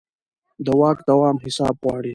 د واک دوام حساب غواړي